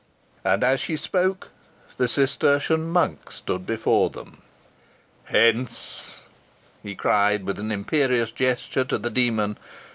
And, as she spoke, the Cistertian monk stood before them. "Hence!" he cried with an imperious gesture to the demon.